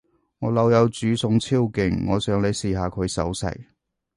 我老友煮餸超勁，我想你試下佢手勢